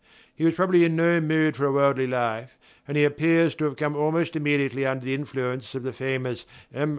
He was probably in no mood for a worldly life, and he appears to have come almost immediately under the influence of the famous M.